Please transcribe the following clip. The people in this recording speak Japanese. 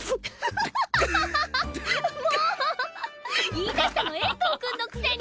言いだしたの遠藤くんのくせに！